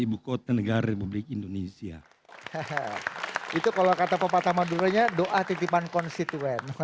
ibu kota negara republik indonesia itu kalau kata pepatah maduranya doa titipan konstituen